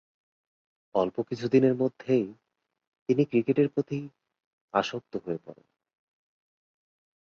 অল্প কিছুদিনের মধ্যেই তিনি ক্রিকেটের প্রতি আসক্ত হয়ে পড়েন।